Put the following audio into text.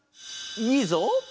いいぞ！